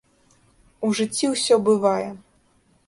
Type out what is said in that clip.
У жыцці ўсё бывае.